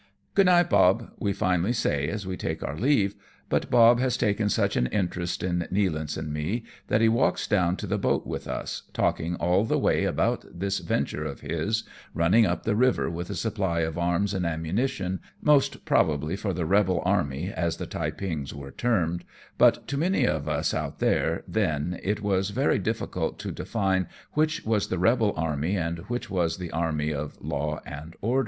" Good night, Bob," we finally say as we take oar leave, but Bob has taken such an interest in Nealance and me, that he walks down to the boat with us, talking all the way about this venture of his, running up the river with a supply of arms and ammunition, most probably for the rebel army, as the Taepings were termed, but to many of us out there then it was very difficult to define which was the rebel army and which was the army of law and order.